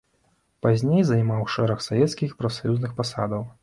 Пазней займаў шэраг савецкіх і прафсаюзных пасадаў.